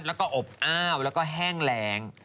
แล้วก็อบอ้าวแล้วก็แห้งแรง